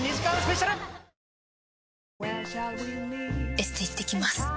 エステ行ってきます。